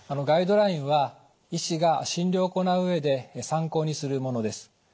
ガイドラインは医師が診療を行う上で参考にするものです。